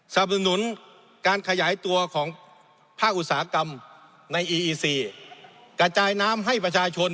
สนับสนุนการขยายตัวของภาคอุตสาหกรรมในอีอีซีกระจายน้ำให้ประชาชน